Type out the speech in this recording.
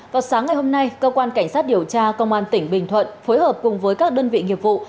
vào sáng ngày hôm nay cơ quan cảnh sát điều tra công an tỉnh bình thuận phối hợp cùng với các đơn vị nghiệp vụ